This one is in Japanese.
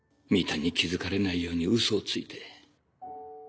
たんに気付かれないようにウソをついて。